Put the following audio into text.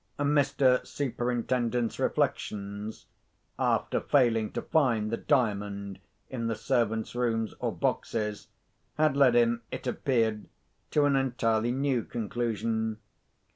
Mr. Superintendent's reflections (after failing to find the Diamond in the servants' rooms or boxes) had led him, it appeared, to an entirely new conclusion.